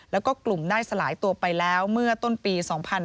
แล้วก็กลุ่มได้สลายตัวไปแล้วเมื่อต้นปี๒๕๕๙